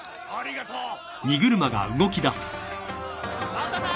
またな！